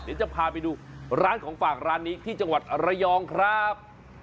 เดี๋ยวจะพาไปดูร้านของฝากร้านนี้ที่จังหวัดระยองครับ